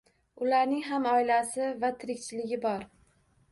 Ularning ham oilasi va tirikchiligi bor